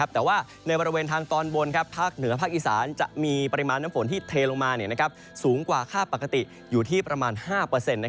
แต่ว่าในบริเวณทางตอนบนภาคเหนือภาคอีสานจะมีปริมาณน้ำฝนที่เทลงมาสูงกว่าค่าปกติอยู่ที่ประมาณ๕